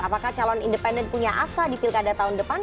apakah calon independen punya asa di pilkada tahun depan